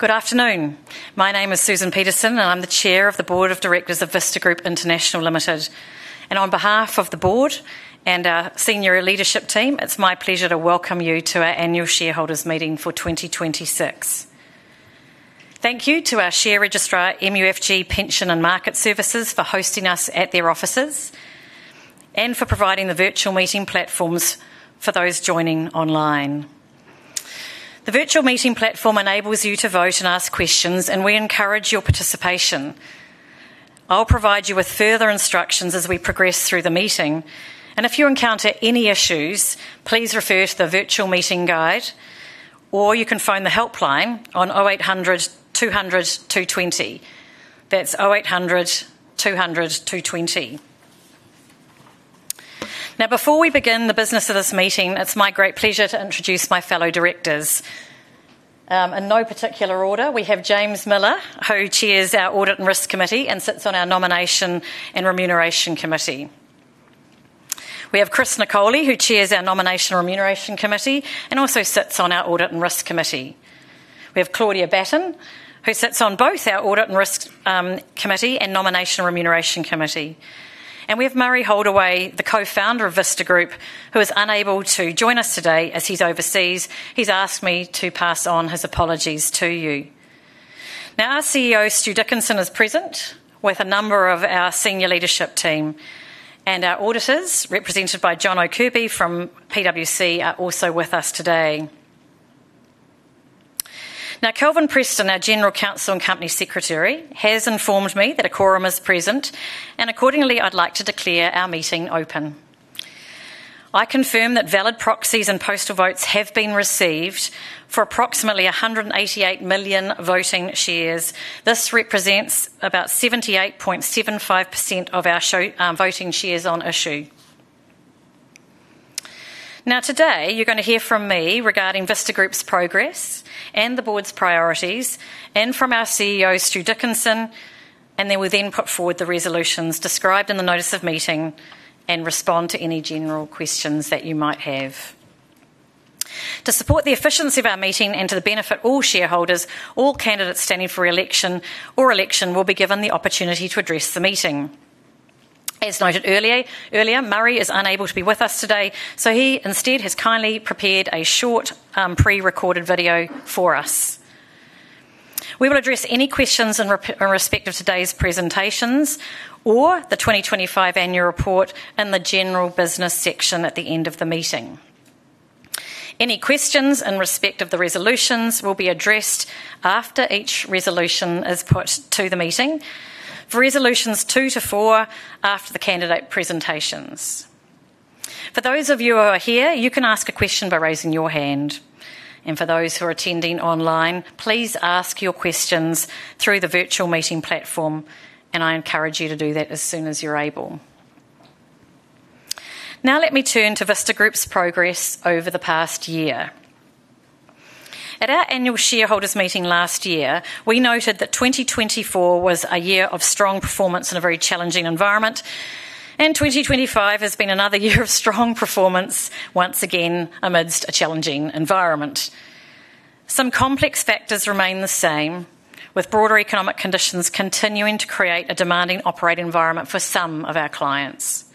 Good afternoon. My name is Susan Peterson, and I'm the chair of the board of directors of Vista Group International Limited. On behalf of the board and our senior leadership team, it's my pleasure to welcome you to our annual shareholders' meeting for 2026. Thank you to our share registrar, MUFG Pension & Market Services, for hosting us at their offices and for providing the virtual meeting platforms for those joining online. The virtual meeting platform enables you to vote and ask questions, and we encourage your participation. I'll provide you with further instructions as we progress through the meeting. If you encounter any issues, please refer to the virtual meeting guide, or you can phone the helpline on 0800 200 220. That's 0800 200 220. Before we begin the business of this meeting, it's my great pleasure to introduce my fellow directors. In no particular order, we have James Miller, who chairs our Audit and Risk Committee and sits on our Nomination and Remuneration Committee. We have Cris Nicolli, who chairs our Nomination and Remuneration Committee and also sits on our Audit and Risk Committee. We have Claudia Batten, who sits on both our Audit and Risk Committee and Nomination and Remuneration Committee. We have Murray Holdaway, the co-founder of Vista Group, who is unable to join us today as he's overseas. He's asked me to pass on his apologies to you. Our CEO, Stuart Dickinson, is present with a number of our senior leadership team. Our auditors, represented by John Kirby from PwC, are also with us today. Kelvin Preston, our General Counsel and Company Secretary, has informed me that a quorum is present, and accordingly, I'd like to declare our meeting open. I confirm that valid proxies and postal votes have been received for approximately 188 million voting shares. This represents about 78.75% of our voting shares on issue. Today, you're going to hear from me regarding Vista Group's progress and the board's priorities and from our CEO, Stuart Dickinson, we'll then put forward the resolutions described in the notice of meeting and respond to any general questions that you might have. To support the efficiency of our meeting and to benefit all shareholders, all candidates standing for election or election will be given the opportunity to address the meeting. As noted earlier, Murray is unable to be with us today, he instead has kindly prepared a short, pre-recorded video for us. We will address any questions in respect of today's presentations or the 2025 annual report in the general business section at the end of the meeting. Any questions in respect of the resolutions will be addressed after each resolution is put to the meeting. For resolutions 2 to 4, after the candidate presentations. For those of you who are here, you can ask a question by raising your hand. For those who are attending online, please ask your questions through the virtual meeting platform, and I encourage you to do that as soon as you're able. Let me turn to Vista Group's progress over the past year. At our annual shareholders' meeting last year, we noted that 2024 was a year of strong performance in a very challenging environment, 2025 has been another year of strong performance, once again amidst a challenging environment. Some complex factors remain the same, with broader economic conditions continuing to create a demanding operating environment for some of our clients.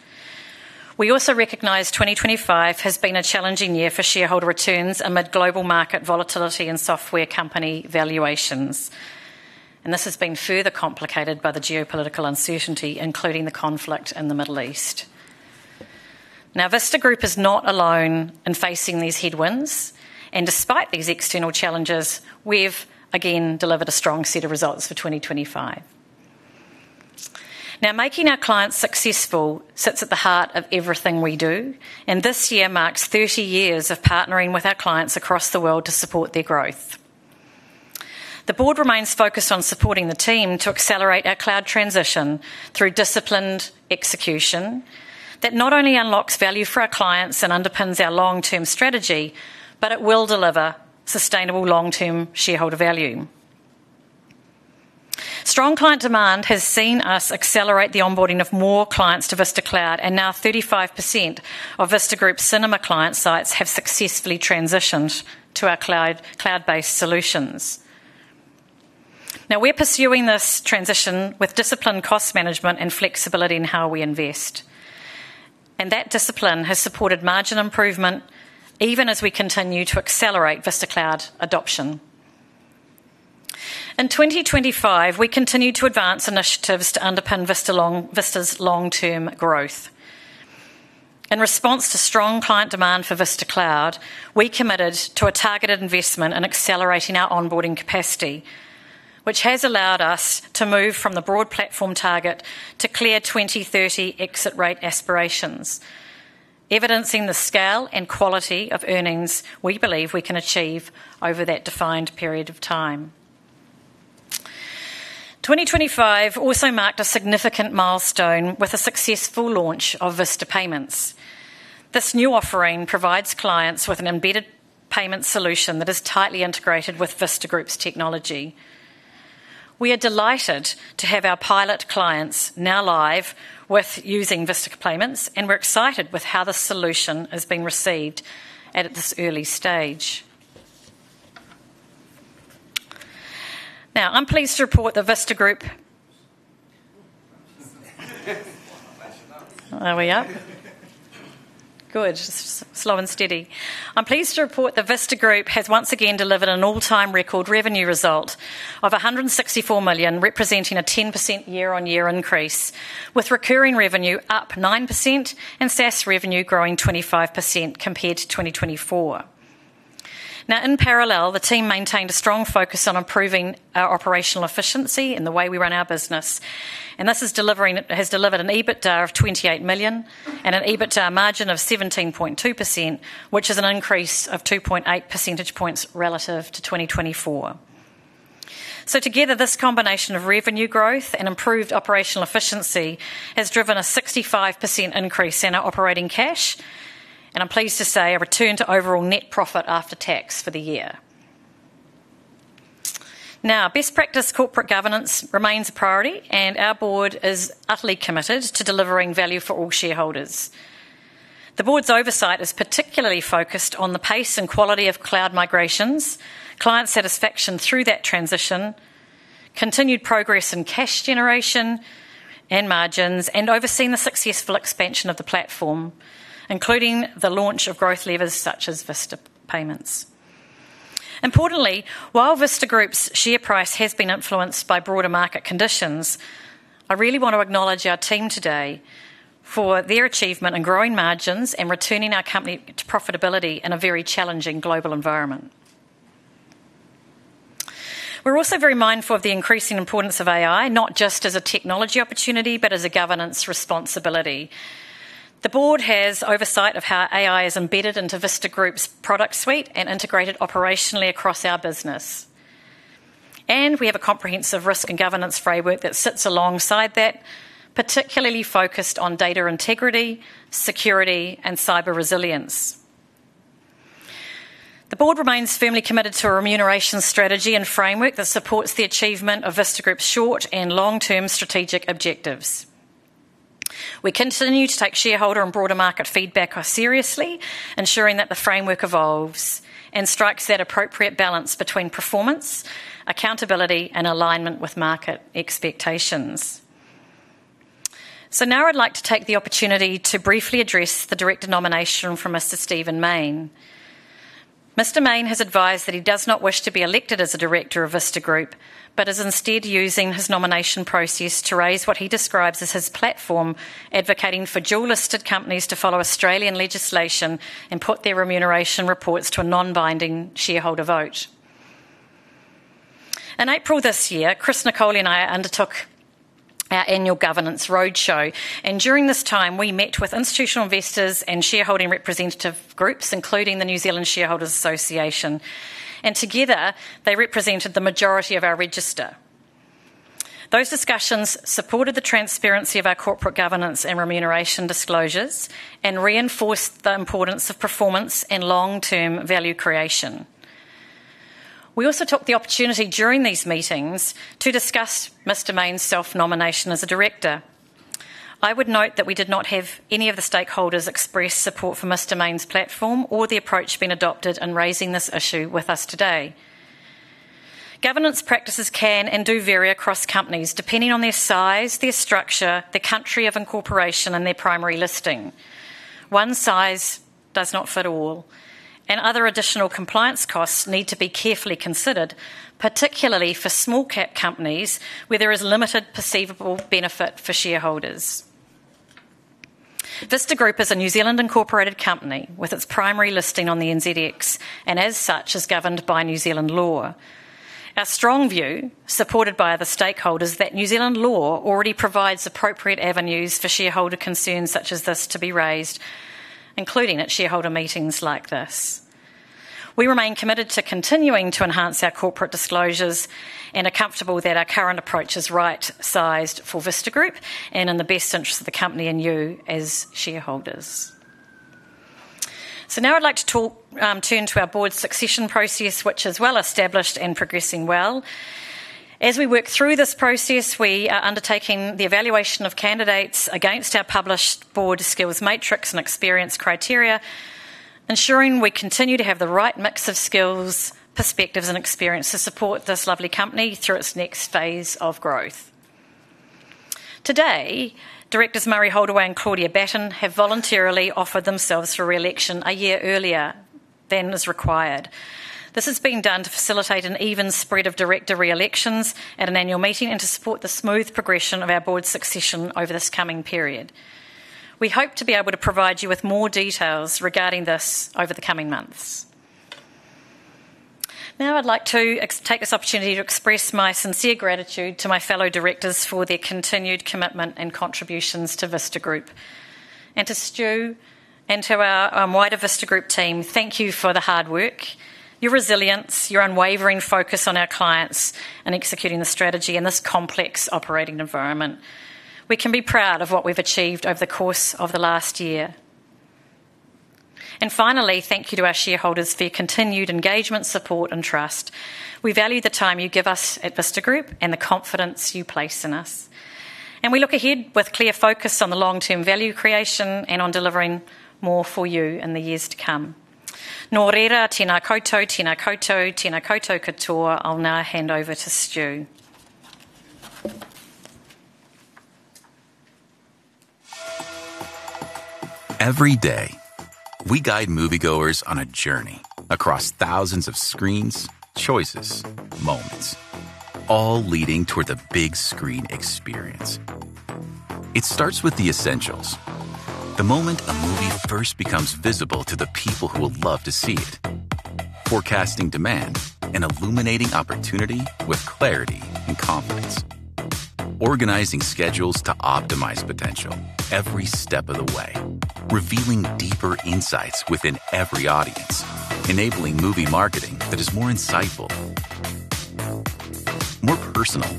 We also recognize 2025 has been a challenging year for shareholder returns amid global market volatility and software company valuations. This has been further complicated by the geopolitical uncertainty, including the conflict in the Middle East. Now, Vista Group is not alone in facing these headwinds, and despite these external challenges, we've again delivered a strong set of results for 2025. Now, making our clients successful sits at the heart of everything we do, and this year marks 30 years of partnering with our clients across the world to support their growth. The board remains focused on supporting the team to accelerate our cloud transition through disciplined execution that not only unlocks value for our clients and underpins our long-term strategy, but it will deliver sustainable long-term shareholder value. Strong client demand has seen us accelerate the onboarding of more clients to Vista Cloud, and now 35% of Vista Group cinema client sites have successfully transitioned to our cloud-based solutions. We're pursuing this transition with disciplined cost management and flexibility in how we invest. That discipline has supported margin improvement even as we continue to accelerate Vista Cloud adoption. In 2025, we continued to advance initiatives to underpin Vista's long-term growth. In response to strong client demand for Vista Cloud, we committed to a targeted investment in accelerating our onboarding capacity, which has allowed us to move from the broad platform target to clear 2030 exit rate aspirations, evidencing the scale and quality of earnings we believe we can achieve over that defined period of time. 2025 also marked a significant milestone with the successful launch of Vista Payments. This new offering provides clients with an embedded payment solution that is tightly integrated with Vista Group's technology. We are delighted to have our pilot clients now live with using Vista Payments, and we're excited with how the solution has been received at this early stage. Are we up? Good. Slow and steady. I'm pleased to report the Vista Group has once again delivered an all-time record revenue result of 164 million, representing a 10% year-on-year increase, with recurring revenue up 9% and SaaS revenue growing 25% compared to 2024. In parallel, the team maintained a strong focus on improving our operational efficiency in the way we run our business. This has delivered an EBITDA of 28 million and an EBITDA margin of 17.2%, which is an increase of 2.8 percentage points relative to 2024. Together, this combination of revenue growth and improved operational efficiency has driven a 65% increase in our operating cash, and I'm pleased to say, a return to overall net profit after tax for the year. Best practice corporate governance remains a priority, and our board is utterly committed to delivering value for all shareholders. The board's oversight is particularly focused on the pace and quality of cloud migrations, client satisfaction through that transition, continued progress in cash generation and margins, and overseeing the successful expansion of the platform, including the launch of growth levers such as Vista Payments. Importantly, while Vista Group's share price has been influenced by broader market conditions, I really want to acknowledge our team today for their achievement in growing margins and returning our company to profitability in a very challenging global environment. We're also very mindful of the increasing importance of AI, not just as a technology opportunity, but as a governance responsibility. The board has oversight of how AI is embedded into Vista Group's product suite and integrated operationally across our business. We have a comprehensive risk and governance framework that sits alongside that, particularly focused on data integrity, security, and cyber resilience. The board remains firmly committed to a remuneration strategy and framework that supports the achievement of Vista Group's short and long-term strategic objectives. We continue to take shareholder and broader market feedback seriously, ensuring that the framework evolves and strikes that appropriate balance between performance, accountability, and alignment with market expectations. Now I'd like to take the opportunity to briefly address the director nomination from Mr. Stephen Mayne. Mr. Mayne has advised that he does not wish to be elected as a director of Vista Group, but is instead using his nomination process to raise what he describes as his platform, advocating for dual-listed companies to follow Australian legislation and put their remuneration reports to a non-binding shareholder vote. In April this year, Cris Nicolli and I undertook our annual governance roadshow. During this time, we met with institutional investors and shareholding representative groups, including the New Zealand Shareholders' Association. Together, they represented the majority of our register. Those discussions supported the transparency of our corporate governance and remuneration disclosures and reinforced the importance of performance in long-term value creation. We also took the opportunity during these meetings to discuss Mr. Mayne's self-nomination as a director. I would note that we did not have any of the stakeholders express support for Mr. Mayne's platform or the approach being adopted in raising this issue with us today. Governance practices can and do vary across companies, depending on their size, their structure, the country of incorporation, and their primary listing. One size does not fit all, and other additional compliance costs need to be carefully considered, particularly for small cap companies where there is limited perceivable benefit for shareholders. Vista Group is a New Zealand-incorporated company with its primary listing on the NZX, and as such, is governed by New Zealand law. Our strong view, supported by other stakeholders, that New Zealand law already provides appropriate avenues for shareholder concerns such as this to be raised, including at shareholder meetings like this. We remain committed to continuing to enhance our corporate disclosures and are comfortable that our current approach is right-sized for Vista Group and in the best interest of the company and you as shareholders. Now I'd like to turn to our board succession process, which is well-established and progressing well. As we work through this process, we are undertaking the evaluation of candidates against our published board skills matrix and experience criteria, ensuring we continue to have the right mix of skills, perspectives, and experience to support this lovely company through its next phase of growth. Today, Directors Murray Holdaway and Claudia Batten have voluntarily offered themselves for re-election a year earlier than is required. This is being done to facilitate an even spread of director re-elections at an annual meeting and to support the smooth progression of our board succession over this coming period. We hope to be able to provide you with more details regarding this over the coming months. I'd like to take this opportunity to express my sincere gratitude to my fellow directors for their continued commitment and contributions to Vista Group. To Stu and to our wider Vista Group team, thank you for the hard work, your resilience, your unwavering focus on our clients, and executing the strategy in this complex operating environment. We can be proud of what we've achieved over the course of the last year. Finally, thank you to our shareholders for your continued engagement, support, and trust. We value the time you give us at Vista Group and the confidence you place in us. We look ahead with clear focus on the long-term value creation and on delivering more for you in the years to come. I'll now hand over to Stu. Every day, we guide moviegoers on a journey across thousands of screens, choices, moments, all leading toward the big screen experience. It starts with the essentials. The moment a movie first becomes visible to the people who would love to see it, forecasting demand, and illuminating opportunity with clarity and confidence. Organizing schedules to optimize potential every step of the way. Revealing deeper insights within every audience. Enabling movie marketing that is more insightful, more personal,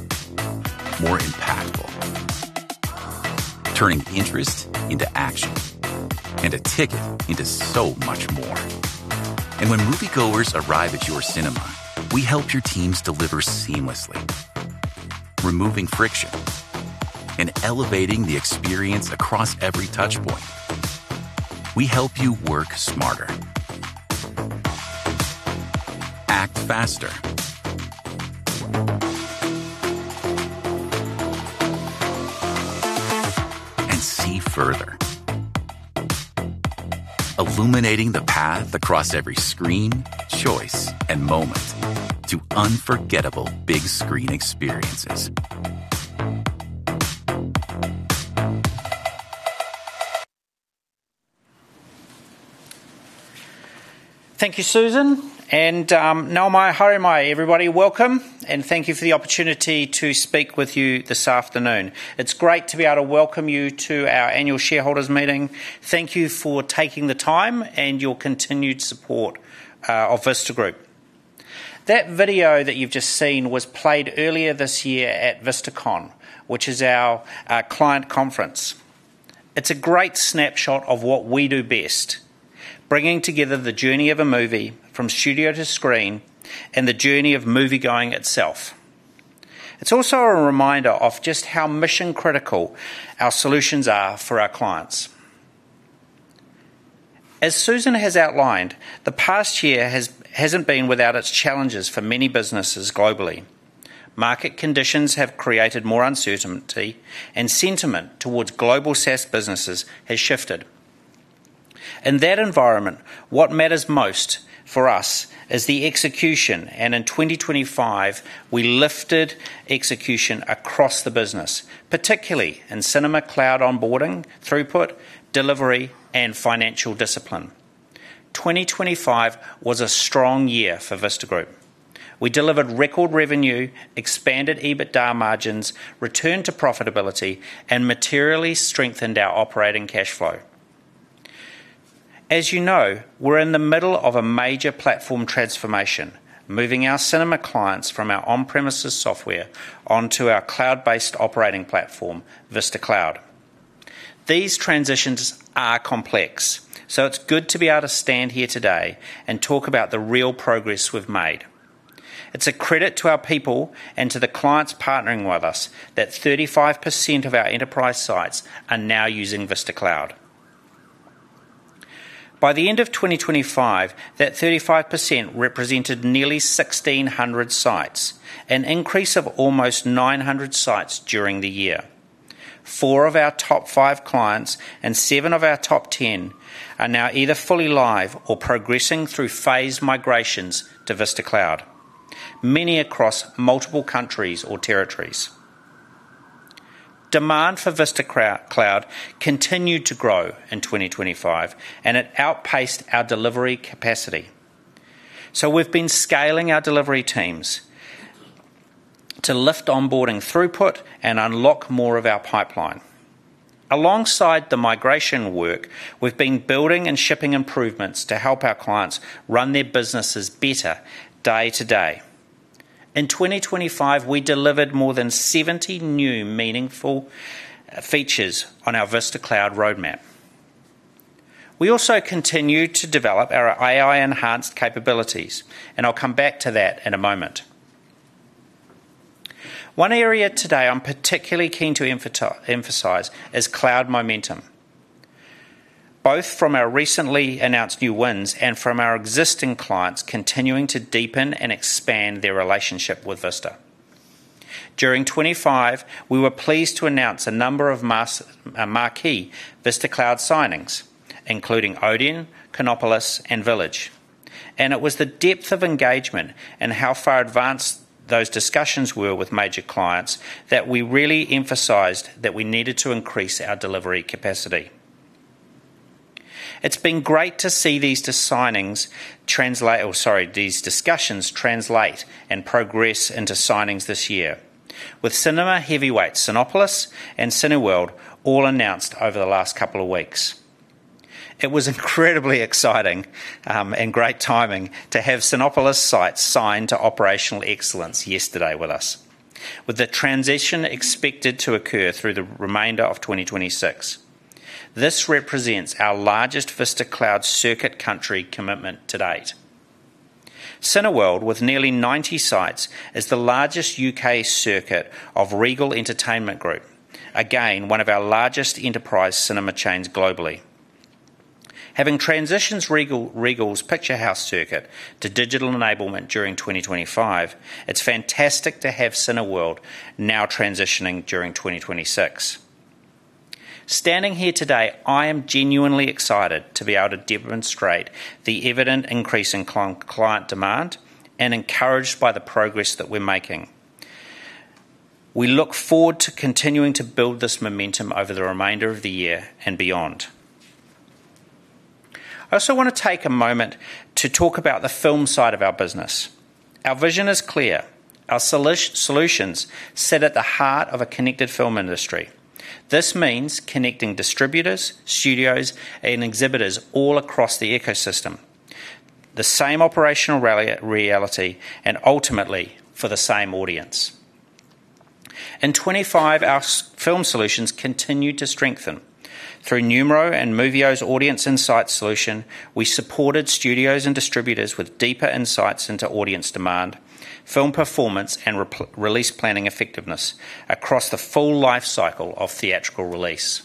more impactful. Turning interest into action and a ticket into so much more. When moviegoers arrive at your cinema, we help your teams deliver seamlessly. Removing friction and elevating the experience across every touch point. We help you work smarter, act faster, and see further. Illuminating the path across every screen, choice, and moment to unforgettable big screen experiences. Thank you, Susan. Everybody. Welcome, and thank you for the opportunity to speak with you this afternoon. It's great to be able to welcome you to our annual shareholders meeting. Thank you for taking the time and your continued support of Vista Group. That video that you've just seen was played earlier this year at VistaCon, which is our client conference. It's a great snapshot of what we do best, bringing together the journey of a movie from studio to screen and the journey of moviegoing itself. It's also a reminder of just how mission-critical our solutions are for our clients. As Susan has outlined, the past year hasn't been without its challenges for many businesses globally. Market conditions have created more uncertainty, and sentiment towards global SaaS businesses has shifted. In that environment, what matters most for us is the execution, and in 2025, we lifted execution across the business, particularly in cinema cloud onboarding, throughput, delivery, and financial discipline. 2025 was a strong year for Vista Group. We delivered record revenue, expanded EBITDA margins, returned to profitability, and materially strengthened our operating cash flow. As you know, we're in the middle of a major platform transformation, moving our cinema clients from our on-premises software onto our cloud-based operating platform, Vista Cloud. These transitions are complex, so it's good to be able to stand here today and talk about the real progress we've made. It's a credit to our people and to the clients partnering with us that 35% of our enterprise sites are now using Vista Cloud. By the end of 2025, that 35% represented nearly 1,600 sites, an increase of almost 900 sites during the year. 4 of our top 5 clients and 7 of our top 10 are now either fully live or progressing through phased migrations to Vista Cloud, many across multiple countries or territories. Demand for Vista Cloud continued to grow in 2025. It outpaced our delivery capacity. We've been scaling our delivery teams to lift onboarding throughput and unlock more of our pipeline. Alongside the migration work, we've been building and shipping improvements to help our clients run their businesses better day to day. In 2025, we delivered more than 70 new meaningful features on our Vista Cloud roadmap. We also continued to develop our AI-enhanced capabilities. I'll come back to that in a moment. One area today I'm particularly keen to emphasize is cloud momentum, both from our recently announced new wins and from our existing clients continuing to deepen and expand their relationship with Vista. During 2025, we were pleased to announce a number of marquee Vista Cloud signings, including Odeon, Cinépolis, and Village. It was the depth of engagement and how far advanced those discussions were with major clients that we really emphasized that we needed to increase our delivery capacity. It has been great to see these discussions translate and progress into signings this year, with cinema heavyweights Cinépolis and Cineworld all announced over the last couple of weeks. It was incredibly exciting and great timing to have Cinépolis sign to Operational Excellence yesterday with us. The transition expected to occur through the remainder of 2026. This represents our largest Vista Cloud circuit country commitment to date. Cineworld, with nearly 90 sites, is the largest U.K. circuit of Regal Entertainment Group, again, one of our largest enterprise cinema chains globally. Having transitioned Regal's Picturehouse circuit to Digital Enablement during 2025, it's fantastic to have Cineworld now transitioning during 2026. Standing here today, I am genuinely excited to be able to demonstrate the evident increase in client demand and encouraged by the progress that we're making. We look forward to continuing to build this momentum over the remainder of the year and beyond. I also want to take a moment to talk about the film side of our business. Our vision is clear. Our solutions sit at the heart of a connected film industry. This means connecting distributors, studios, and exhibitors all across the ecosystem, the same operational reality, and ultimately, for the same audience. In 2025, our film solutions continued to strengthen. Through Numero and Movio's audience insight solution, we supported studios and distributors with deeper insights into audience demand, film performance, and release planning effectiveness across the full life cycle of theatrical release.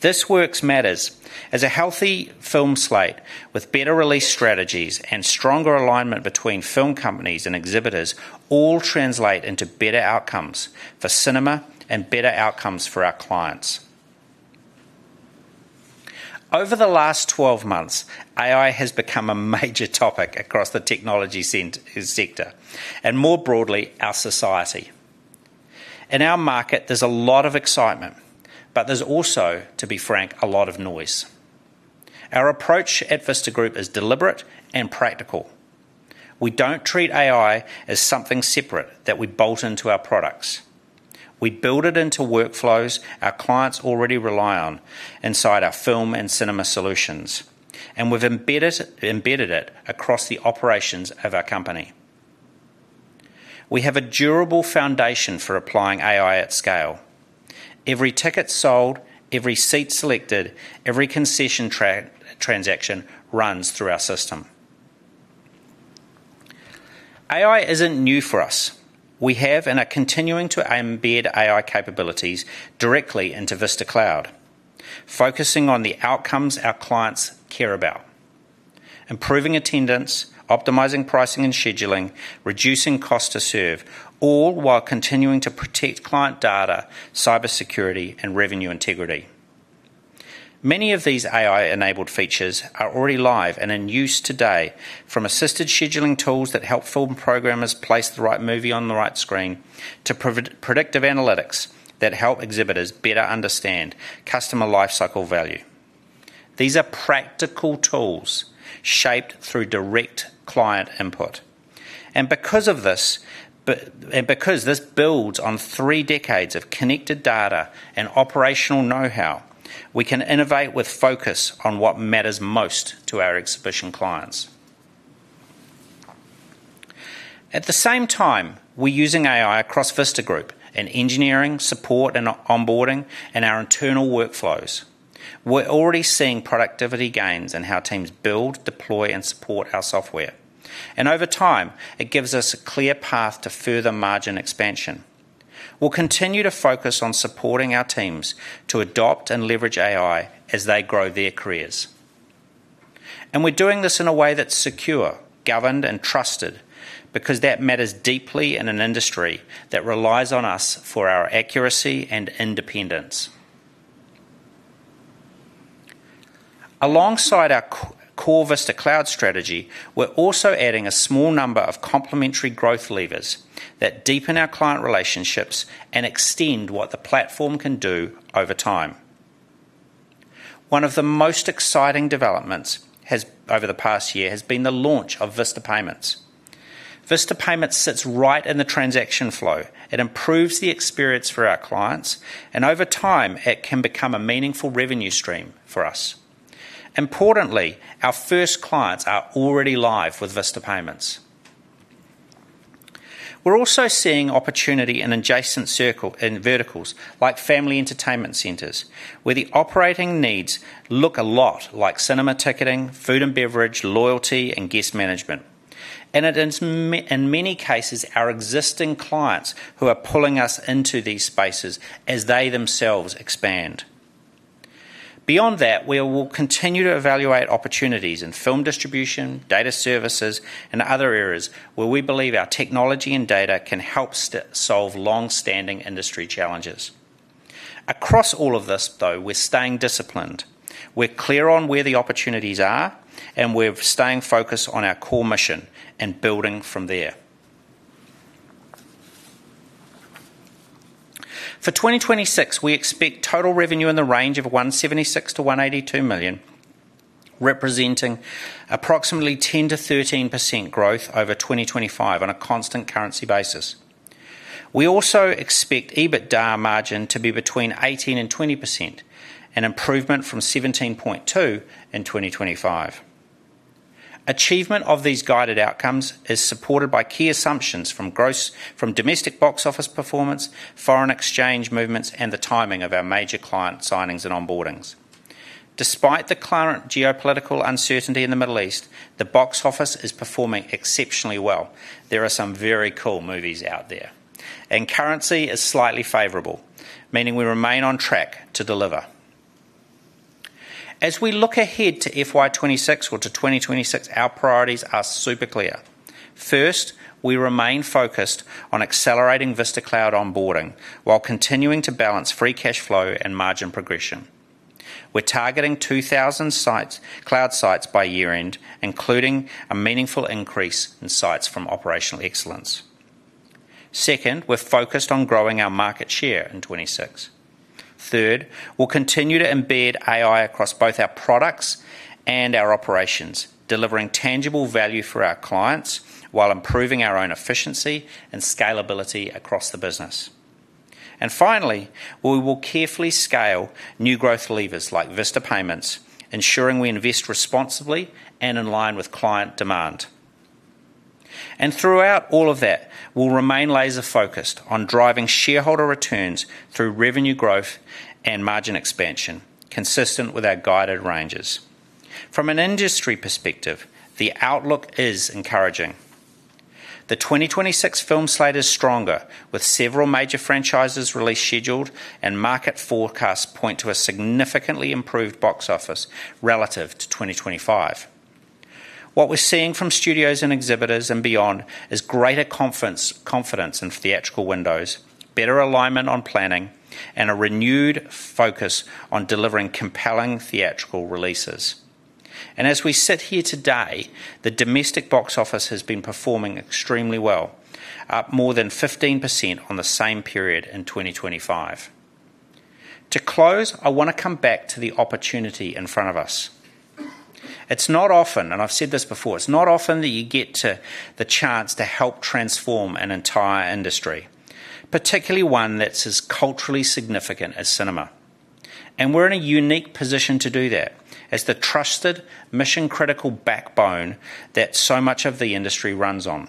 This work matters as a healthy film slate with better release strategies and stronger alignment between film companies and exhibitors all translate into better outcomes for cinema and better outcomes for our clients. Over the last 12 months, AI has become a major topic across the technology sector, and more broadly, our society. In our market, there's a lot of excitement, but there's also, to be frank, a lot of noise. Our approach at Vista Group is deliberate and practical. We don't treat AI as something separate that we bolt into our products. We build it into workflows our clients already rely on inside our film and cinema solutions, and we've embedded it across the operations of our company. We have a durable foundation for applying AI at scale. Every ticket sold, every seat selected, every concession transaction runs through our system. AI isn't new for us. We have and are continuing to embed AI capabilities directly into Vista Cloud, focusing on the outcomes our clients care about. Improving attendance, optimizing pricing and scheduling, reducing cost to serve, all while continuing to protect client data, cybersecurity, and revenue integrity. Many of these AI-enabled features are already live and in use today, from assisted scheduling tools that help film programmers place the right movie on the right screen to predictive analytics that help exhibitors better understand customer life cycle value. These are practical tools shaped through direct client input. Because this builds on three decades of connected data and operational know-how, we can innovate with focus on what matters most to our exhibition clients. At the same time, we're using AI across Vista Group in engineering, support, and onboarding, and our internal workflows. We're already seeing productivity gains in how teams build, deploy, and support our software. Over time, it gives us a clear path to further margin expansion. We'll continue to focus on supporting our teams to adopt and leverage AI as they grow their careers. We're doing this in a way that's secure, governed, and trusted because that matters deeply in an industry that relies on us for our accuracy and independence. Alongside our core Vista Cloud strategy, we're also adding a small number of complementary growth levers that deepen our client relationships and extend what the platform can do over time. One of the most exciting developments over the past year has been the launch of Vista Payments. Vista Payments sits right in the transaction flow. It improves the experience for our clients, and over time, it can become a meaningful revenue stream for us. Importantly, our first clients are already live with Vista Payments. We are also seeing opportunity in adjacent verticals like family entertainment centers, where the operating needs look a lot like cinema ticketing, food and beverage, loyalty, and guest management. In many cases, our existing clients who are pulling us into these spaces as they themselves expand. Beyond that, we will continue to evaluate opportunities in film distribution, data services, and other areas where we believe our technology and data can help solve long-standing industry challenges. Across all of this, though, we are staying disciplined. We're clear on where the opportunities are, and we're staying focused on our core mission and building from there. For 2026, we expect total revenue in the range of 176 million-182 million, representing approximately 10%-13% growth over 2025 on a constant currency basis. We also expect EBITDA margin to be between 18% and 20%, an improvement from 17.2% in 2025. Achievement of these guided outcomes is supported by key assumptions from domestic box office performance, foreign exchange movements, and the timing of our major client signings and onboardings. Despite the current geopolitical uncertainty in the Middle East, the box office is performing exceptionally well. There are some very cool movies out there, and currency is slightly favorable, meaning we remain on track to deliver. As we look ahead to FY 2026 or to 2026, our priorities are super clear. First, we remain focused on accelerating Vista Cloud onboarding while continuing to balance free cash flow and margin progression. We're targeting 2,000 cloud sites by year-end, including a meaningful increase in sites from Operational Excellence. Second, we're focused on growing our market share in 2026. Third, we'll continue to embed AI across both our products and our operations, delivering tangible value for our clients while improving our own efficiency and scalability across the business. Finally, we will carefully scale new growth levers like Vista Payments, ensuring we invest responsibly and in line with client demand. Throughout all of that, we'll remain laser-focused on driving shareholder returns through revenue growth and margin expansion consistent with our guided ranges. From an industry perspective, the outlook is encouraging. The 2026 film slate is stronger, with several major franchises release scheduled. Market forecasts point to a significantly improved box office relative to 2025. What we're seeing from studios and exhibitors and beyond is greater confidence in theatrical windows, better alignment on planning, and a renewed focus on delivering compelling theatrical releases. As we sit here today, the domestic box office has been performing extremely well, up more than 15% on the same period in 2025. To close, I want to come back to the opportunity in front of us. It's not often, and I've said this before, it's not often that you get the chance to help transform an entire industry, particularly one that's as culturally significant as cinema. We're in a unique position to do that as the trusted mission-critical backbone that so much of the industry runs on.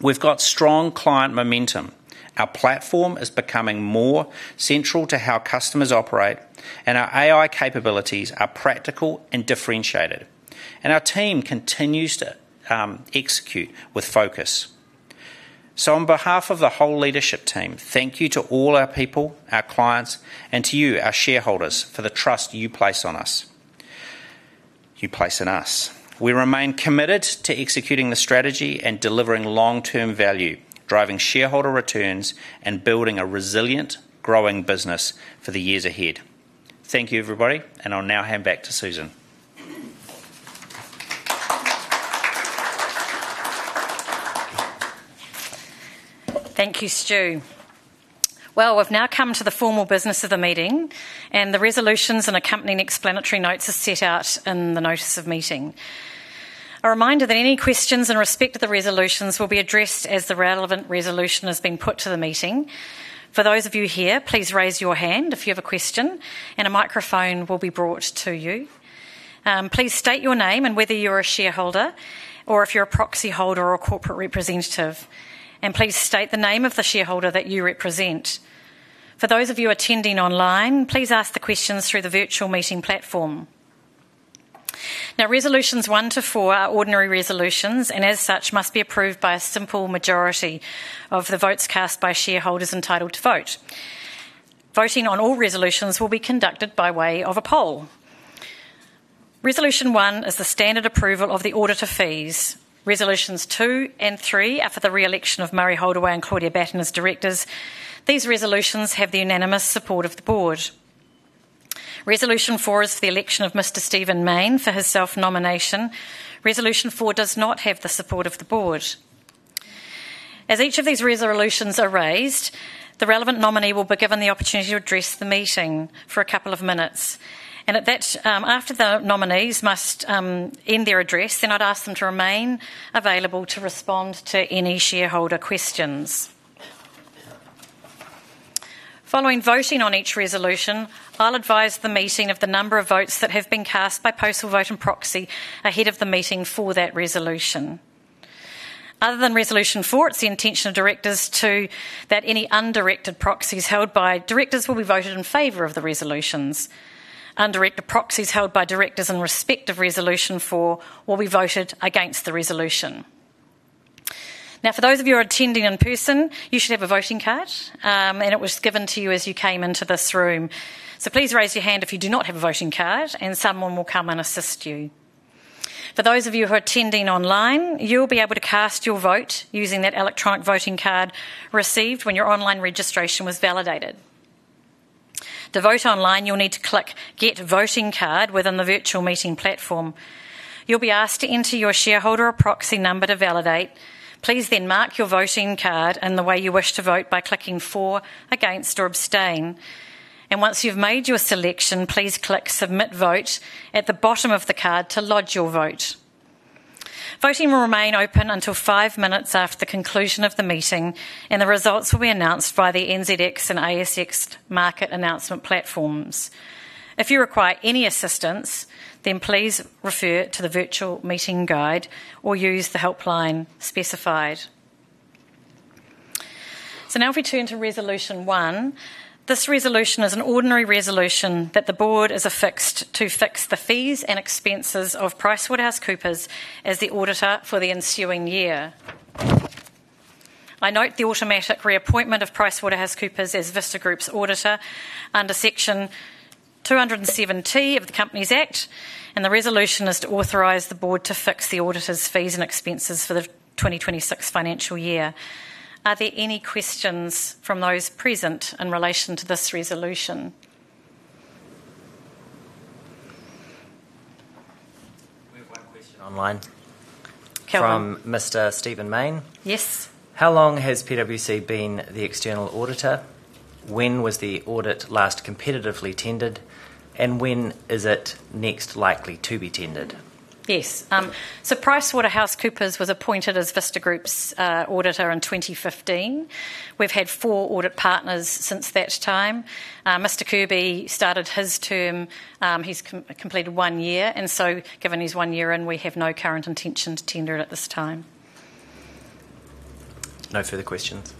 We've got strong client momentum. Our platform is becoming more central to how customers operate, and our AI capabilities are practical and differentiated. Our team continues to execute with focus. On behalf of the whole leadership team, thank you to all our people, our clients, and to you, our shareholders, for the trust you place in us. We remain committed to executing the strategy and delivering long-term value, driving shareholder returns, and building a resilient, growing business for the years ahead. Thank you, everybody, and I'll now hand back to Susan. Thank you, Stu. Well, we've now come to the formal business of the meeting, and the resolutions and accompanying explanatory notes are set out in the notice of meeting. A reminder that any questions in respect of the resolutions will be addressed as the relevant resolution is being put to the meeting. For those of you here, please raise your hand if you have a question, and a microphone will be brought to you. Please state your name and whether you're a shareholder or if you're a proxyholder or a corporate representative, and please state the name of the shareholder that you represent. For those of you attending online, please ask the questions through the virtual meeting platform. Now, resolutions 1 to 4 are ordinary resolutions, and as such, must be approved by a simple majority of the votes cast by shareholders entitled to vote. Voting on all resolutions will be conducted by way of a poll. Resolution 1 is the standard approval of the auditor fees. Resolutions 2 and 3 are for the re-election of Murray Holdaway and Claudia Batten as directors. These resolutions have the unanimous support of the board. Resolution 4 is the election of Mr. Stephen Mayne for his self-nomination. Resolution 4 does not have the support of the board. As each of these resolutions are raised, the relevant nominee will be given the opportunity to address the meeting for a couple of minutes. After the nominees must end their address, then I'd ask them to remain available to respond to any shareholder questions. Following voting on each resolution, I'll advise the meeting of the number of votes that have been cast by postal vote and proxy ahead of the meeting for that resolution. Other than resolution 4, it's the intention of directors too that any undirected proxies held by directors will be voted in favor of the resolutions. Undirected proxies held by directors in respect of resolution 4 will be voted against the resolution. For those of you who are attending in person, you should have a voting card, and it was given to you as you came into this room. Please raise your hand if you do not have a voting card, and someone will come and assist you. For those of you who are attending online, you'll be able to cast your vote using that electronic voting card received when your online registration was validated. To vote online, you'll need to click Get Voting Card within the virtual meeting platform. You'll be asked to enter your shareholder or proxy number to validate. Please then mark your voting card in the way you wish to vote by clicking For, Against, or Abstain. Once you've made your selection, please click Submit Vote at the bottom of the card to lodge your vote. Voting will remain open until 5 minutes after conclusion of the meeting, and the results will be announced by the NZX and ASX market announcement platforms. If you require any assistance, then please refer to the virtual meeting guide or use the helpline specified. Now if we turn to resolution 1. This resolution is an ordinary resolution that the board is affixed to fix the fees and expenses of PricewaterhouseCoopers as the auditor for the ensuing year. I note the automatic reappointment of PricewaterhouseCoopers as Vista Group's auditor under Section 270 of the Companies Act, and the resolution is to authorize the board to fix the auditor's fees and expenses for the 2026 financial year. Are there any questions from those present in relation to this resolution? We have one question online. Kelvin. From Mr. Stephen Mayne. Yes. How long has PwC been the external auditor? When was the audit last competitively tendered, and when is it next likely to be tendered? Yes. PricewaterhouseCoopers was appointed as Vista Group's auditor in 2015. We've had four audit partners since that time. Mr. Kirby started his term, he's completed one year. Given he's one year in, we have no current intention to tender it at this time. No further questions.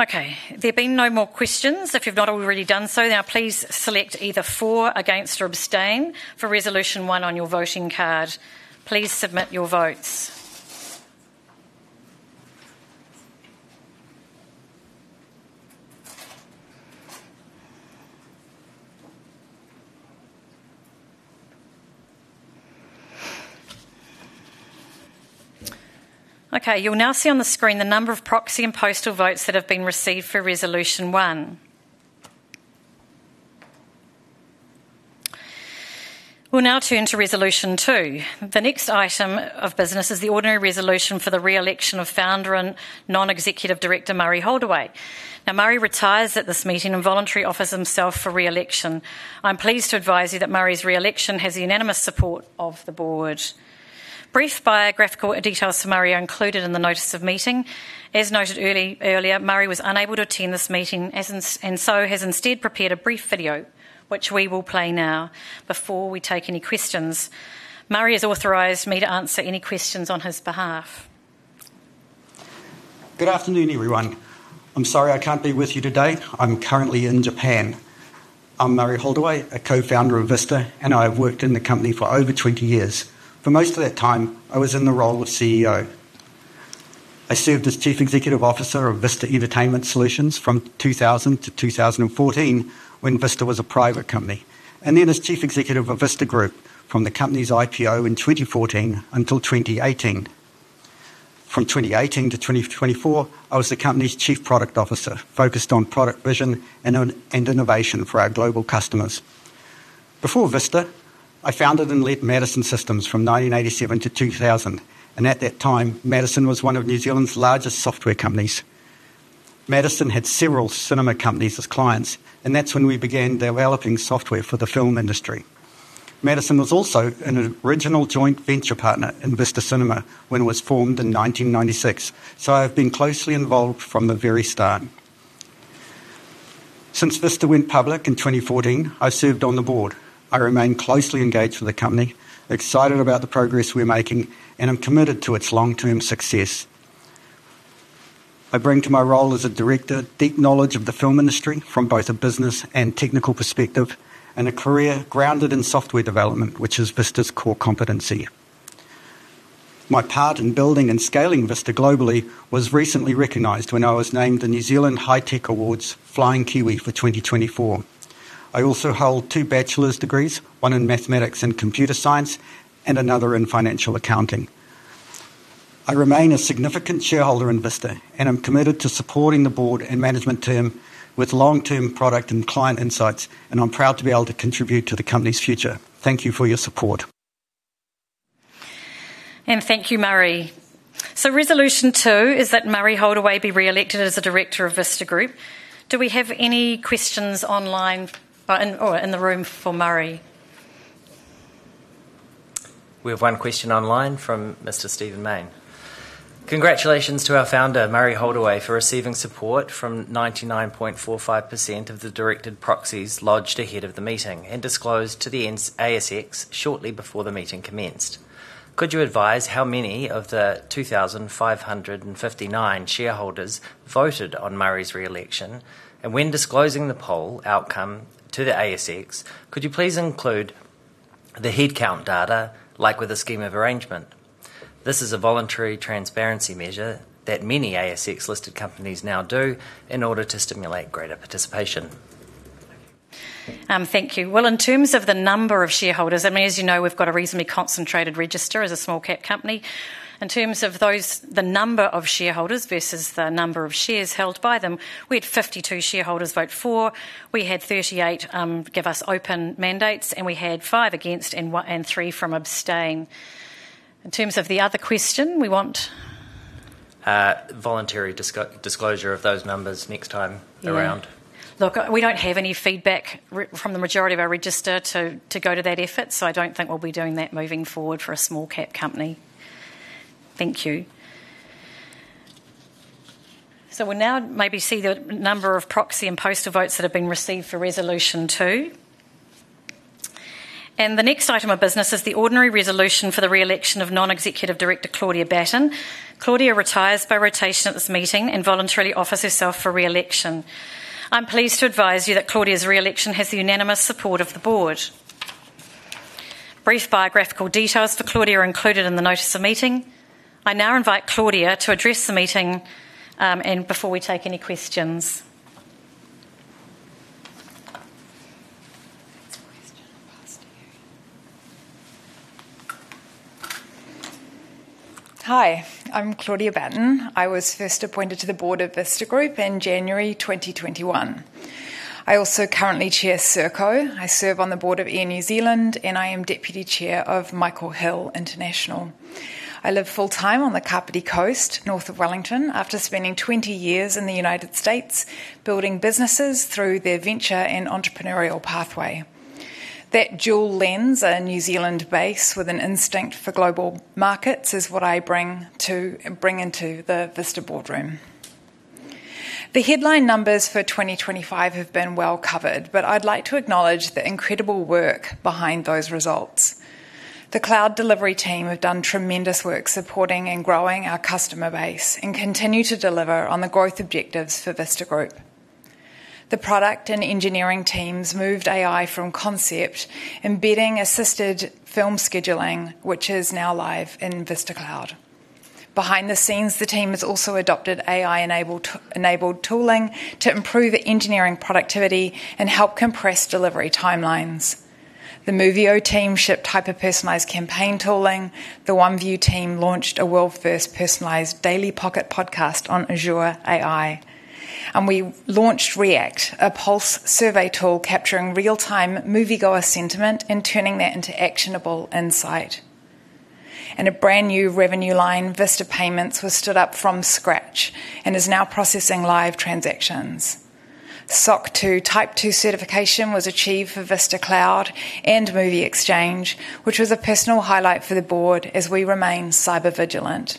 No further questions. Okay. There being no more questions, if you've not already done so, now please select either for, against, or abstain for resolution one on your voting card. Please submit your votes. Okay, you'll now see on the screen the number of proxy and postal votes that have been received for resolution one. We'll now turn to resolution two. The next item of business is the ordinary resolution for the re-election of founder and non-executive director, Murray Holdaway. Murray retires at this meeting and voluntary offers himself for re-election. I'm pleased to advise you that Murray's re-election has the unanimous support of the board. Brief biographical details for Murray are included in the notice of meeting. As noted earlier, Murray was unable to attend this meeting, has instead prepared a brief video, which we will play now before we take any questions. Murray has authorized me to answer any questions on his behalf. Good afternoon, everyone. I'm sorry I can't be with you today. I'm currently in Japan. I'm Murray Holdaway, a co-founder of Vista, and I have worked in the company for over 20 years. For most of that time, I was in the role of CEO. I served as Chief Executive Officer of Vista Entertainment Solutions from 2000 to 2014 when Vista was a private company, and then as Chief Executive of Vista Group from the company's IPO in 2014 until 2018. From 2018 to 2024, I was the company's Chief Product Officer focused on product vision and innovation for our global customers. Before Vista, I founded and led Madison Systems from 1987 to 2000, and at that time, Madison was one of New Zealand's largest software companies. Madison had several cinema companies as clients, and that's when we began developing software for the film industry. Madison Systems was also an original joint venture partner in Vista Cinema when it was formed in 1996. I have been closely involved from the very start. Since Vista went public in 2014, I served on the board. I remain closely engaged with the company, excited about the progress we're making, and I'm committed to its long-term success. I bring to my role as a director deep knowledge of the film industry from both a business and technical perspective, and a career grounded in software development, which is Vista's core competency. My part in building and scaling Vista globally was recently recognized when I was named the New Zealand Hi-Tech Awards Flying Kiwi for 2024. I also hold 2 bachelor's degrees, one in mathematics and computer science, and another in financial accounting. I remain a significant shareholder in Vista, and I'm committed to supporting the board and management team with long-term product and client insights, and I'm proud to be able to contribute to the company's future. Thank you for your support. Thank you, Murray. Resolution 2 is that Murray Holdaway be re-elected as a director of Vista Group. Do we have any questions online or in the room for Murray? We have one question online from Mr. Stephen Mayne. Congratulations to our founder, Murray Holdaway, for receiving support from 99.45% of the directed proxies lodged ahead of the meeting and disclosed to the ASX shortly before the meeting commenced. Could you advise how many of the 2,559 shareholders voted on Murray's re-election? When disclosing the poll outcome to the ASX, could you please include the head count data like with a scheme of arrangement? This is a voluntary transparency measure that many ASX-listed companies now do in order to stimulate greater participation. Thank you. Well, in terms of the number of shareholders, as you know, we've got a reasonably concentrated register as a small cap company. In terms of the number of shareholders versus the number of shares held by them, we had 52 shareholders vote for, we had 38 give us open mandates, and we had five against and three from abstained. In terms of the other question we want Voluntary disclosure of those numbers next time around. Yeah. Look, we don't have any feedback from the majority of our register to go to that effort. I don't think we'll be doing that moving forward for a small cap company. Thank you. We'll now maybe see the number of proxy and postal votes that have been received for Resolution 2. The next item of business is the ordinary resolution for the re-election of non-executive director, Claudia Batten. Claudia retires by rotation at this meeting and voluntarily offers herself for re-election. I'm pleased to advise you that Claudia's re-election has the unanimous support of the board. Brief biographical details for Claudia are included in the notice of meeting. I now invite Claudia to address the meeting, and before we take any questions. Hi, I'm Claudia Batten. I was first appointed to the board of Vista Group in January 2021. I also currently chair Serko. I serve on the board of Air New Zealand, and I am deputy chair of Michael Hill International. I live full-time on the Kapiti Coast, north of Wellington, after spending 20 years in the United States building businesses through their venture and entrepreneurial pathway. That dual lens, a New Zealand base with an instinct for global markets, is what I bring into the Vista boardroom. The headline numbers for 2025 have been well covered, but I'd like to acknowledge the incredible work behind those results. The cloud delivery team have done tremendous work supporting and growing our customer base and continue to deliver on the growth objectives for Vista Group. The product and engineering teams moved AI from concept, embedding assisted film scheduling, which is now live in Vista Cloud. Behind the scenes, the team has also adopted AI-enabled tooling to improve engineering productivity and help compress delivery timelines. The Movio team shipped hyper-personalized campaign tooling. The Oneview team launched a world-first personalized daily pocket podcast on Azure AI. We launched React, a pulse survey tool capturing real-time moviegoer sentiment and turning that into actionable insight. A brand-new revenue line, Vista Payments, was stood up from scratch and is now processing live transactions. SOC 2 Type 2 certification was achieved for Vista Cloud and movieXchange, which was a personal highlight for the board as we remain cyber vigilant.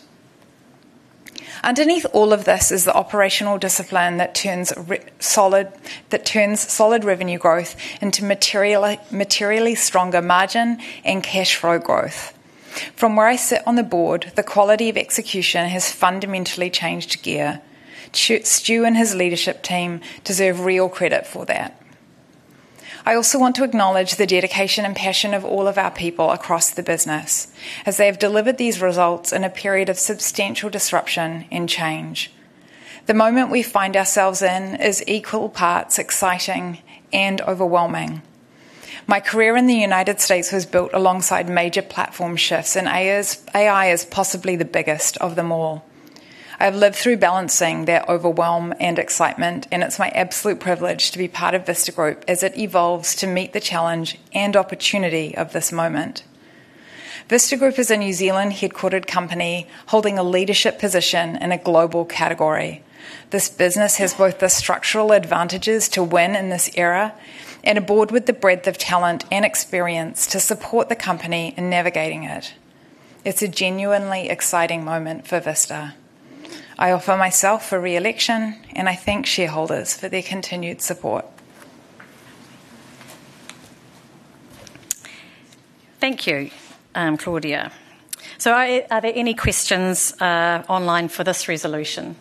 Underneath all of this is the operational discipline that turns solid revenue growth into materially stronger margin and cash flow growth. From where I sit on the board, the quality of execution has fundamentally changed gear. Stu and his leadership team deserve real credit for that. I also want to acknowledge the dedication and passion of all of our people across the business, as they have delivered these results in a period of substantial disruption and change. The moment we find ourselves in is equal parts exciting and overwhelming. My career in the United States was built alongside major platform shifts, and AI is possibly the biggest of them all. I've lived through balancing that overwhelm and excitement, and it's my absolute privilege to be part of Vista Group as it evolves to meet the challenge and opportunity of this moment. Vista Group is a New Zealand-headquartered company holding a leadership position in a global category. This business has both the structural advantages to win in this era and a board with the breadth of talent and experience to support the company in navigating it. It's a genuinely exciting moment for Vista. I offer myself for re-election, and I thank shareholders for their continued support. Thank you, Claudia. Are there any questions online for this resolution?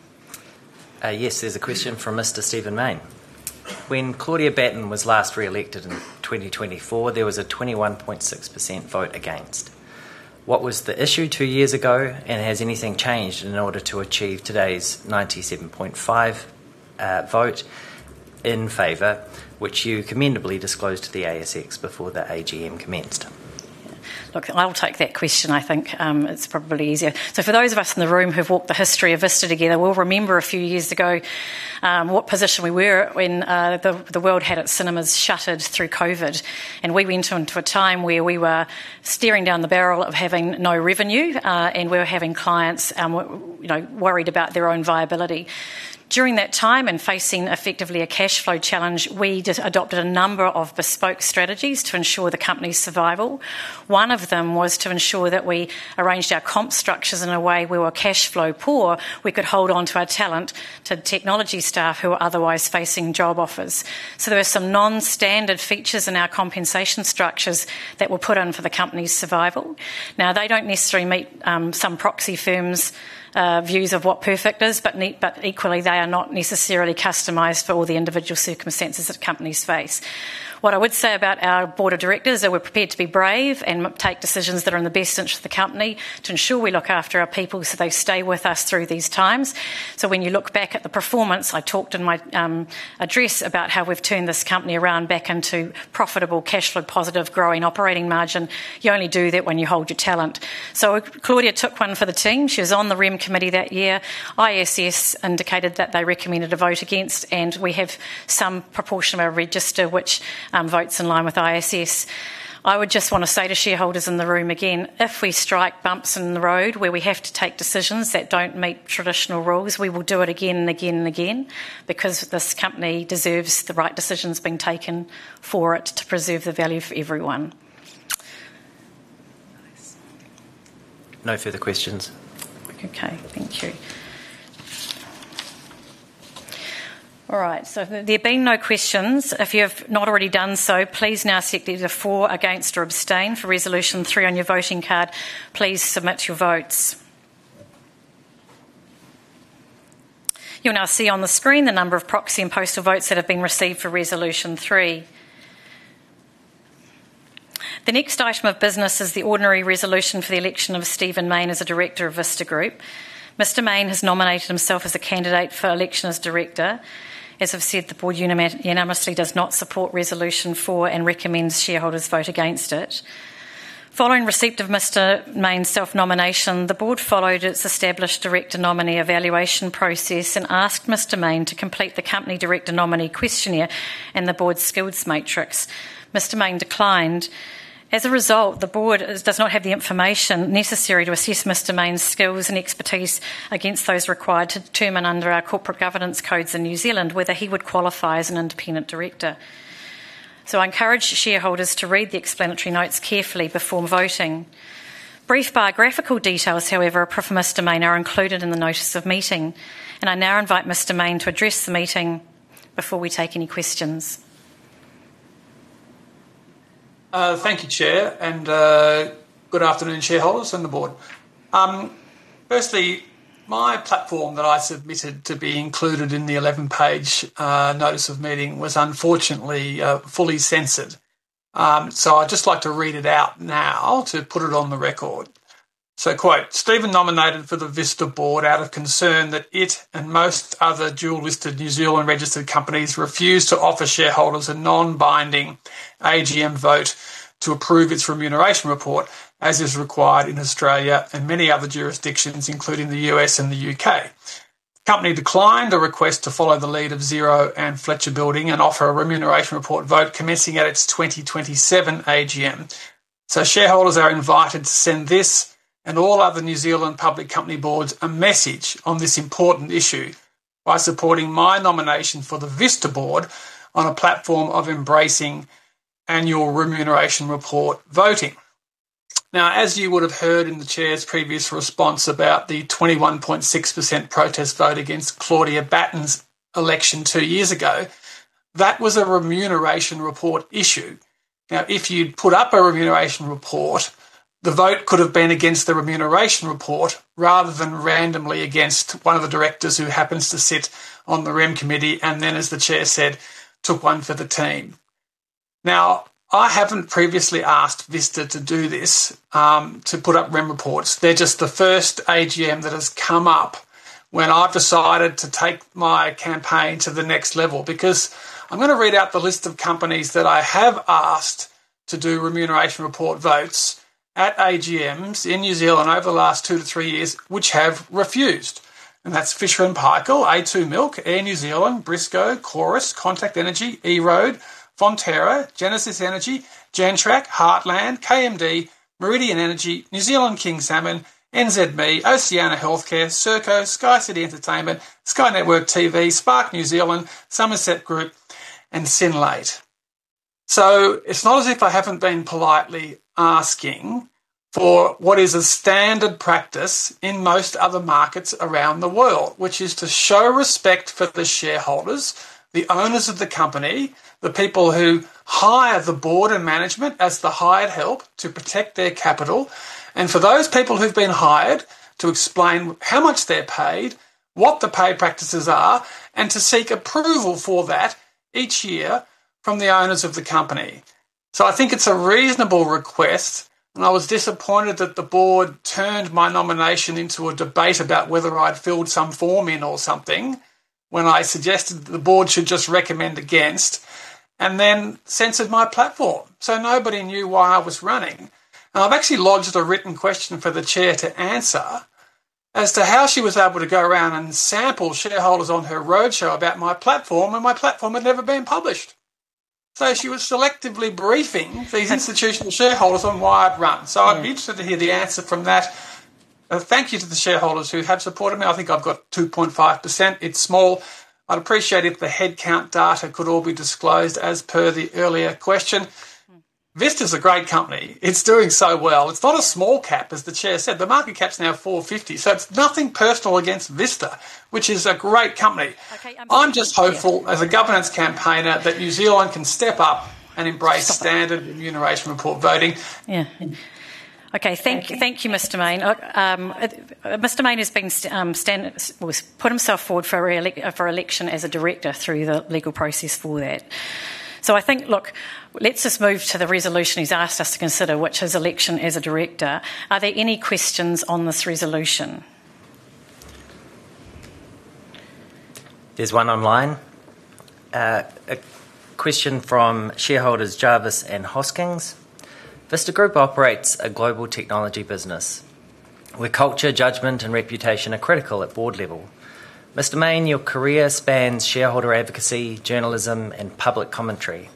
Yes, there's a question from Mr. Stephen Mayne. When Claudia Batten was last re-elected in 2024, there was a 21.6% vote against. What was the issue two years ago, and has anything changed in order to achieve today's 97.5% vote in favor, which you commendably disclosed to the ASX before the AGM commenced? Look, I'll take that question. I think it's probably easier. For those of us in the room who've walked the history of Vista together will remember a few years ago what position we were at when the world had its cinemas shuttered through COVID, and we went into a time where we were staring down the barrel of having no revenue, and we were having clients worried about their own viability. During that time and facing effectively a cash flow challenge, we adopted a number of bespoke strategies to ensure the company's survival. One of them was to ensure that we arranged our comp structures in a way where we're cash flow poor, we could hold onto our talent, to the technology staff who were otherwise facing job offers. There were some non-standard features in our compensation structures that were put in for the company's survival. Now, they don't necessarily meet some proxy firms' views of what perfect is, but equally, they are not necessarily customized for all the individual circumstances that companies face. What I would say about our board of directors are we're prepared to be brave and take decisions that are in the best interest of the company to ensure we look after our people, so they stay with us through these times. When you look back at the performance, I talked in my address about how we've turned this company around back into profitable, cash flow positive, growing operating margin. You only do that when you hold your talent. Claudia took one for the team. She was on the REM committee that year. ISS indicated that they recommended a vote against, and we have some proportion of our register which votes in line with ISS. I would just want to say to shareholders in the room again, if we strike bumps in the road where we have to take decisions that don't meet traditional rules, we will do it again and again and again because this company deserves the right decisions being taken for it to preserve the value for everyone. No further questions. Okay. Thank you. All right, there being no questions, if you have not already done so, please now signal either for, against, or abstain for Resolution Three on your voting card. Please submit your votes. You'll now see on the screen the number of proxy and postal votes that have been received for Resolution Three. The next item of business is the ordinary resolution for the election of Stephen Mayne as a director of Vista Group. Mr. Mayne has nominated himself as a candidate for election as director. As I've said, the board unanimously does not support Resolution Four and recommends shareholders vote against it. Following receipt of Mr. Mayne's self-nomination, the board followed its established director nominee evaluation process and asked Mr. Mayne to complete the company director nominee questionnaire and the board's skills matrix. Mr. Mayne declined. As a result, the board does not have the information necessary to assess Mr. Mayne's skills and expertise against those required to determine under our corporate governance codes in New Zealand whether he would qualify as an independent director. I encourage shareholders to read the explanatory notes carefully before voting. Brief biographical details, however, of Mr. Mayne are included in the notice of meeting, and I now invite Mr. Mayne to address the meeting before we take any questions. Thank you, Chair, and good afternoon, shareholders and the board. Firstly, my platform that I submitted to be included in the 11-page notice of meeting was unfortunately fully censored. I'd just like to read it out now to put it on the record. quote, "Stephen nominated for the Vista board out of concern that it and most other dual-listed New Zealand-registered companies refuse to offer shareholders a non-binding AGM vote to approve its remuneration report, as is required in Australia and many other jurisdictions, including the U.S. and the U.K. Company declined a request to follow the lead of Xero and Fletcher Building and offer a remuneration report vote commencing at its 2027 AGM. Shareholders are invited to send this, and all other New Zealand public company boards, a message on this important issue by supporting my nomination for the Vista board on a platform of embracing annual remuneration report voting." Now, as you would have heard in the Chair's previous response about the 21.6% protest vote against Claudia Batten's election two years ago, that was a remuneration report issue. Now, if you'd put up a remuneration report, the vote could have been against the remuneration report rather than randomly against one of the directors who happens to sit on the Rem committee and then, as the Chair said, took one for the team. Now, I haven't previously asked Vista to do this, to put up Rem reports. They're just the first AGM that has come up when I've decided to take my campaign to the next level. Because I'm going to read out the list of companies that I have asked to do remuneration report votes at AGMs in New Zealand over the last two to three years which have refused. That's Fisher & Paykel, a2 Milk, Air New Zealand, Briscoe, Chorus, Contact Energy, EROAD, Fonterra, Genesis Energy, Gentrack, Heartland, KMD, Meridian Energy, New Zealand King Salmon, NZME, Oceania Healthcare, Serko, SkyCity Entertainment, Sky Network TV, Spark New Zealand, Summerset Group, and Synlait. It's not as if I haven't been politely asking for what is a standard practice in most other markets around the world, which is to show respect for the shareholders, the owners of the company, the people who hire the board and management as the hired help to protect their capital. For those people who've been hired to explain how much they're paid, what the pay practices are, and to seek approval for that each year from the owners of the company. I think it's a reasonable request, and I was disappointed that the board turned my nomination into a debate about whether I'd filled some form in or something when I suggested that the board should just recommend against, and then censored my platform. Nobody knew why I was running. I've actually lodged a written question for the Chair to answer as to how she was able to go around and sample shareholders on her roadshow about my platform, and my platform had never been published. She was selectively briefing these institutional shareholders on why I'd run. I'd be interested to hear the answer from that. Thank you to the shareholders who have supported me. I think I've got 2.5%. It's small. I'd appreciate if the head count data could all be disclosed as per the earlier question. Vista's a great company. It's doing so well. It's not a small cap, as the Chair said. The market cap's now 450. It's nothing personal against Vista, which is a great company. Okay. I'm just hopeful as a governance campaigner that New Zealand can step up and embrace standard remuneration report voting. Yeah. Okay. Thank you, Mr. Mayne. Mr. Mayne has put himself forward for election as a director through the legal process for that. I think, look, let's just move to the resolution he's asked us to consider, which is election as a director. Are there any questions on this resolution? There's one online. A question from shareholders Jarvis and Hosking. Vista Group operates a global technology business where culture, judgment, and reputation are critical at board level. Mr. Mayne, your career spans shareholder advocacy, journalism, and public commentary.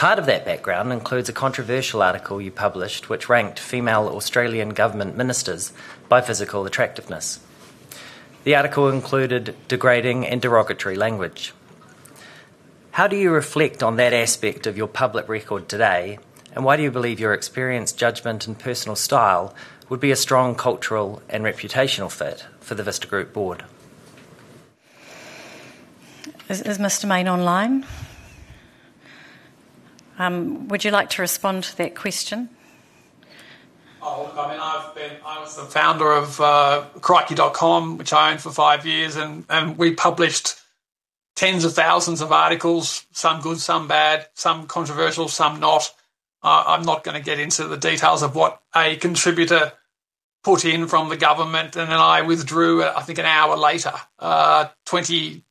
Part of that background includes a controversial article you published which ranked female Australian government ministers by physical attractiveness. The article included degrading and derogatory language. How do you reflect on that aspect of your public record today, and why do you believe your experience, judgment, and personal style would be a strong cultural and reputational fit for the Vista Group board? Is Mr. Mayne online? Would you like to respond to that question? Oh, look, I was the founder of Crikey.com, which I owned for five years, and we published tens of thousands of articles, some good, some bad, some controversial, some not. I'm not going to get into the details of what a contributor put in from the government, and then I withdrew, I think, an hour later, 25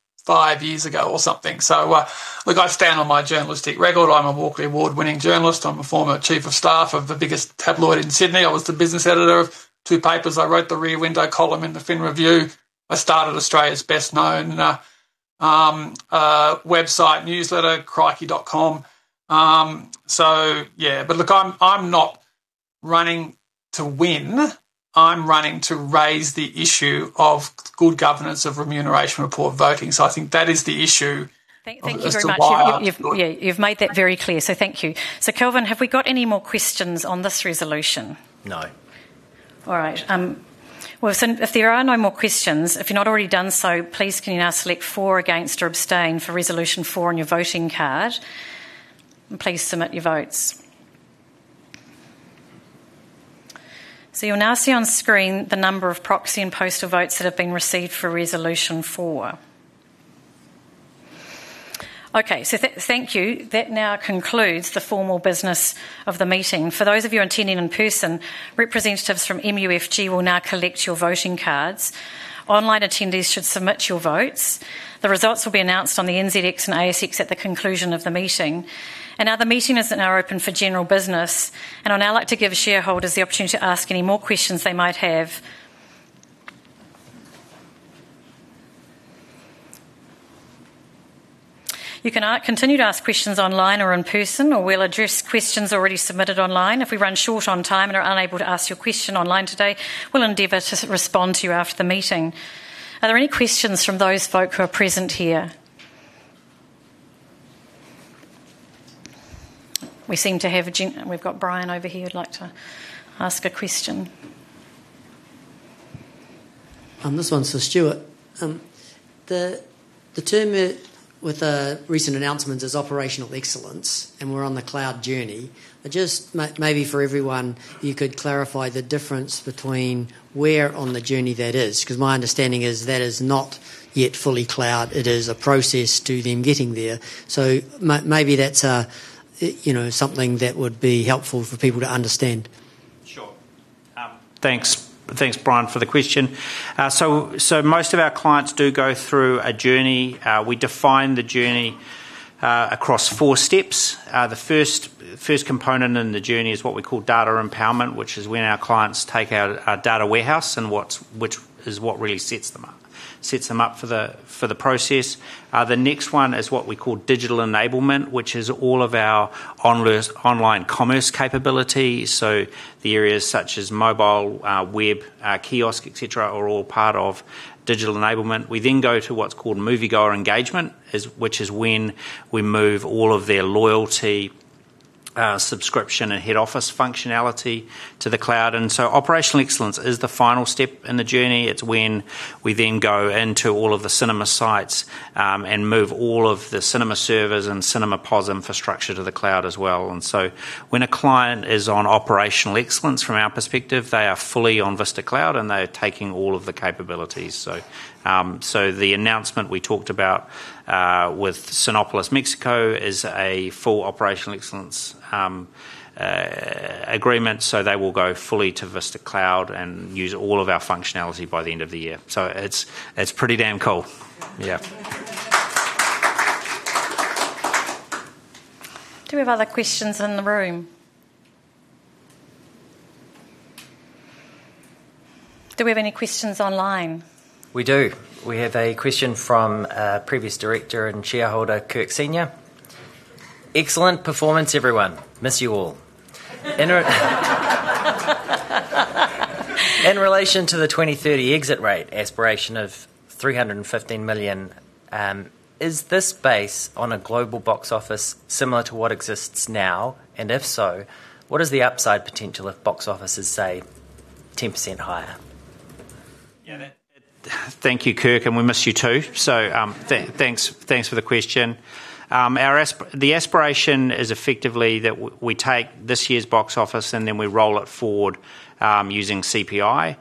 years ago or something. Look, I stand on my journalistic record. I'm a Walkley Award-winning journalist. I'm a former chief of staff of the biggest tabloid in Sydney. I was the business editor of two papers. I wrote the "Rear Window" column in the "Fin Review." I started Australia's best-known website, newsletter, Crikey.com. Yeah. Look, I'm not running to win. I'm running to raise the issue of good governance of remuneration report voting. I think that is the issue as to why I'm- Thank you very much. Yeah. You've made that very clear, so thank you. Kelvin, have we got any more questions on this resolution? No. All right. Well, so if there are no more questions, if you've not already done so, please can you now select for, against, or abstain for resolution 4 on your voting card, and please submit your votes. You'll now see on screen the number of proxy and postal votes that have been received for resolution 4. Okay. Thank you. That now concludes the formal business of the meeting. For those of you attending in person, representatives from MUFG will now collect your voting cards. Online attendees should submit your votes. The results will be announced on the NZX and ASX at the conclusion of the meeting. Now the meeting is now open for general business, and I'd now like to give shareholders the opportunity to ask any more questions they might have. You can continue to ask questions online or in person, or we'll address questions already submitted online. If we run short on time and are unable to ask your question online today, we'll endeavor to respond to you after the meeting. Are there any questions from those folk who are present here? We seem to have a gent. We've got Brian over here who'd like to ask a question. This one's for Stuart. The term with recent announcements is Operational Excellence. We're on the cloud journey. Just maybe for everyone, you could clarify the difference between where on the journey that is, because my understanding is that is not yet fully cloud. It is a process to them getting there. Maybe that's something that would be helpful for people to understand. Sure. Thanks, Brian, for the question. Most of our clients do go through a journey. We define the journey across 4 steps. The 1st component in the journey is what we call Data Empowerment, which is when our clients take our data warehouse and which is what really sets them up for the process. The next 1 is what we call Digital Enablement, which is all of our online commerce capability. The areas such as mobile, web, kiosk, et cetera, are all part of Digital Enablement. We then go to what's called Moviegoer Engagement, which is when we move all of their loyalty, subscription, and head office functionality to the cloud. Operational Excellence is the final step in the journey. It's when we go into all of the cinema sites, and move all of the cinema servers and cinema POS infrastructure to the cloud as well. When a client is on Operational Excellence, from our perspective, they are fully on Vista Cloud, and they are taking all of the capabilities. The announcement we talked about, with Cinépolis Mexico is a full Operational Excellence agreement. They will go fully to Vista Cloud and use all of our functionality by the end of the year. It's pretty damn cool. Yeah. Do we have other questions in the room? Do we have any questions online? We do. We have a question from a previous director and shareholder, Kirk Senior. Excellent performance, everyone. Miss you all. In relation to the 2030 exit rate aspiration of 315 million, is this based on a global box office similar to what exists now? If so, what is the upside potential if box office is, say, 10% higher? Yeah. Thank you, Kirk, and we miss you, too. Thanks for the question. The aspiration is effectively that we take this year's box office and then we roll it forward using CPI.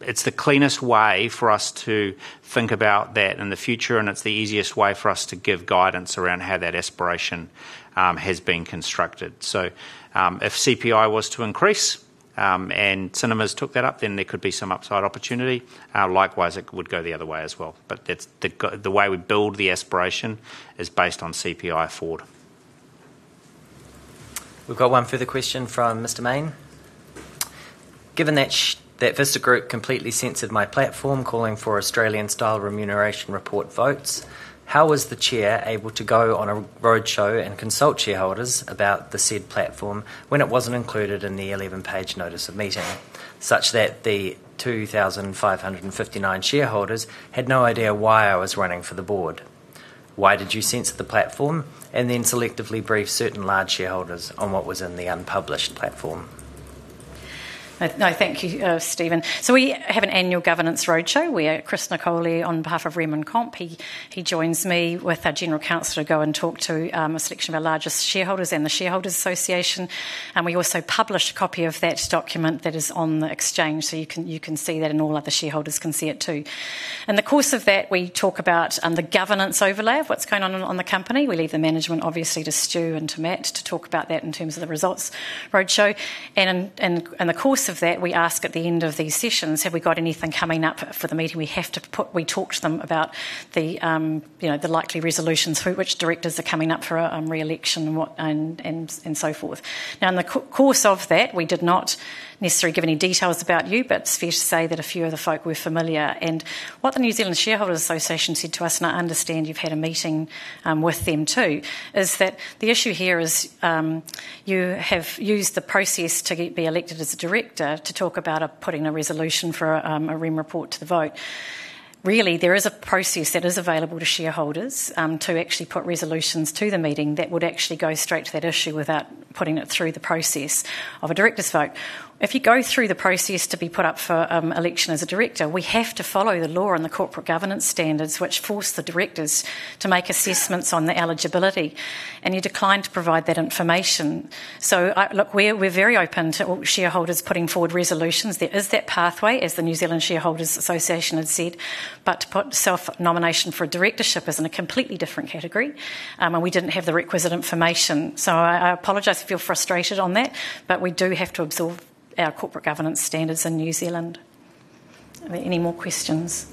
It's the cleanest way for us to think about that in the future, and it's the easiest way for us to give guidance around how that aspiration has been constructed. If CPI was to increase, and cinemas took that up, then there could be some upside opportunity. Likewise, it would go the other way as well. The way we build the aspiration is based on CPI forward. We've got one further question from Stephen Mayne. Given that Vista Group completely censored my platform calling for Australian-style remuneration report votes, how was the chair able to go on a roadshow and consult shareholders about the said platform when it wasn't included in the 11-page notice of meeting? The 2,559 shareholders had no idea why I was running for the board. Why did you censor the platform and then selectively brief certain large shareholders on what was in the unpublished platform? No. Thank you, Stephen. We have an annual governance roadshow where Cris Nicolli, on behalf of the Remuneration and Compensation Committee, he joins me with our general counsel to go and talk to a selection of our largest shareholders and the Shareholders' Association. We also publish a copy of that document that is on the exchange, so you can see that and all other shareholders can see it too. In the course of that, we talk about the governance overlay of what's going on in the company. We leave the management obviously to Stu and to Matt to talk about that in terms of the results roadshow. In the course of that, we ask at the end of these sessions, have we got anything coming up for the meeting? We talk to them about the likely resolutions, which directors are coming up for re-election, and so forth. Now, in the course of that, we did not necessarily give any details about you, but it's fair to say that a few of the folk were familiar. What the New Zealand Shareholders' Association said to us, and I understand you've had a meeting with them too, is that the issue here is you have used the process to be elected as a director to talk about putting a resolution for a REM report to the vote. Really, there is a process that is available to shareholders to actually put resolutions to the meeting that would actually go straight to that issue without putting it through the process of a director's vote. If you go through the process to be put up for election as a director, we have to follow the law and the corporate governance standards, which force the directors to make assessments on the eligibility, and you declined to provide that information. Look, we're very open to shareholders putting forward resolutions. There is that pathway, as the New Zealand Shareholders' Association has said. To put self-nomination for a directorship is in a completely different category, and we didn't have the requisite information. I apologize if you feel frustrated on that, but we do have to absorb our corporate governance standards in New Zealand. Are there any more questions?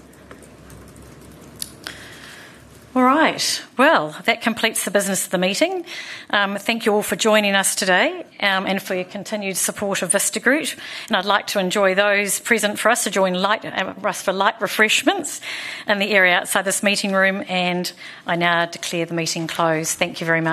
All right. Well, that completes the business of the meeting. Thank you all for joining us today, and for your continued support of Vista Group. I'd like to enjoy those present for us to join us for light refreshments in the area outside this meeting room. I now declare the meeting closed. Thank you very much